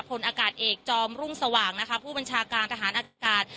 พลอากาศเอกจอมรุ่งสว่างนะคะผู้บัญชาการทหารอากาศ